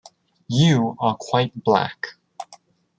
You are quite black.